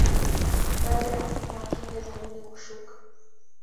Baada ya mfumo wa kinga za mwili kushuka